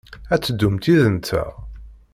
A teddumt yid-nteɣ?